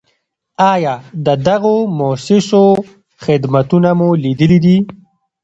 آیا د دغو مؤسسو خدمتونه مو لیدلي دي؟